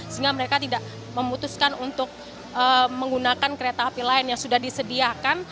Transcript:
sehingga mereka tidak memutuskan untuk menggunakan kereta api lain yang sudah disediakan